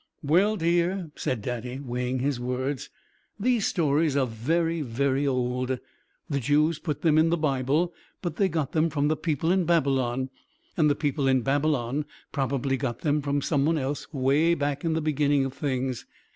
"Well, dear," said Daddy, weighing his words, "these stories are very, very old. The Jews put them in the Bible, but they got them from the people in Babylon, and the people in Babylon probably got them from some one else away back in the beginning of things.